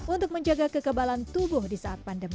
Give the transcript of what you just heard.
untuk menjaga kekebalan tubuh di saat pandemi